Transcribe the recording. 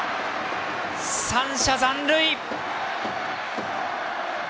三者残塁。